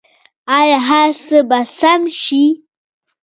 آیا هر څه به سم شي؟